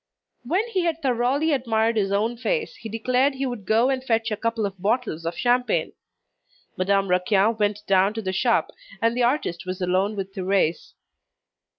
When he had thoroughly admired his own face, he declared he would go and fetch a couple of bottles of champagne. Madame Raquin went down to the shop, and the artist was alone with Thérèse.